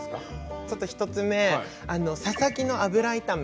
ちょっと１つ目「ささぎの油炒め」。